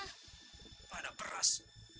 gak ada beras